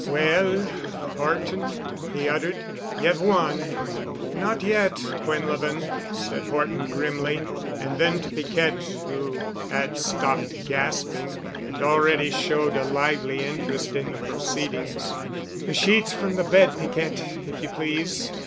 "Well, Horton," he uttered, "ye've won." "Not yet, Quinlevin," said Horton grimly. And then to Piquette, who had stopped gasping and already showed a lively interest in the proceedings, "The sheets from the bed, Piquette, if you please."